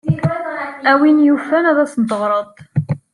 A win yufan ad asent-teɣred.